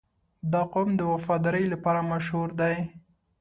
• دا قوم د وفادارۍ لپاره مشهور دی.